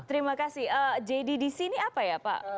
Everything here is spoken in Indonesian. terima kasih jddc ini apa ya pak